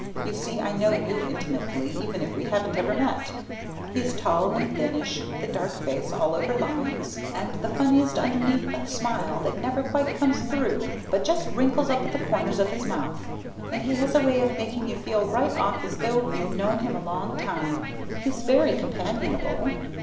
You see I know you intimately, even if we haven't ever met! He's tall and thinnish with a dark face all over lines, and the funniest underneath smile that never quite comes through but just wrinkles up the corners of his mouth. And he has a way of making you feel right off as though you'd known him a long time. He's very companionable.